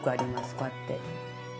こうやって。